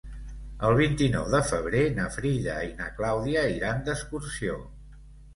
El vint-i-nou de febrer na Frida i na Clàudia iran d'excursió.